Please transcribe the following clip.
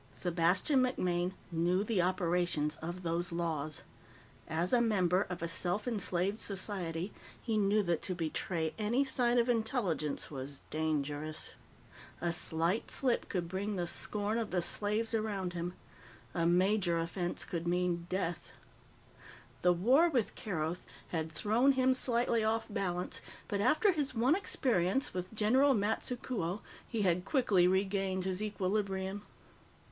Sebastian MacMaine knew the operations of those laws. As a member of a self enslaved society, he knew that to betray any sign of intelligence was dangerous. A slight slip could bring the scorn of the slaves around him; a major offense could mean death. The war with Keroth had thrown him slightly off balance, but after his one experience with General Matsukuo, he had quickly regained his equilibrium.